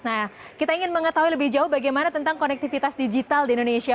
nah kita ingin mengetahui lebih jauh bagaimana tentang konektivitas digital di indonesia